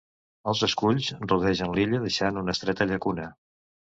Els esculls rodegen l'illa deixant una estreta llacuna.